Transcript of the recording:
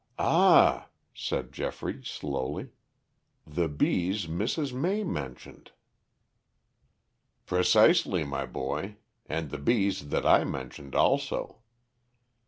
"Ah," said Geoffrey slowly, "the bees Mrs. May mentioned." "Precisely, my boy. And the bees that I mentioned also.